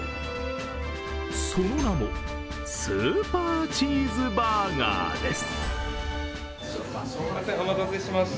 その名もスーパーチーズバーガーです。